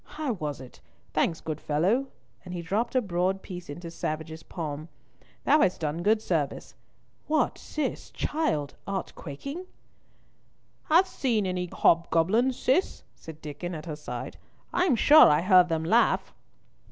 "How was it? Thanks, good fellow," and he dropped a broad piece into Savage's palm; "thou hast done good service. What, Cis, child, art quaking?" "Hast seen any hobgoblins, Cis?" said Diccon, at her other side. "I'm sure I heard them laugh."